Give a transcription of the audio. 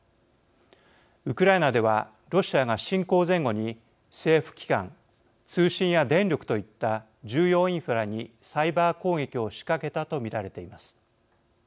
ウクライナではロシアが侵攻前後に政府機関、通信や電力といった重要インフラにサイバー攻撃を仕掛けたと見られています。